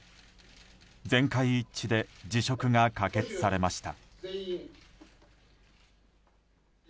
全会一致で辞職が可決されました。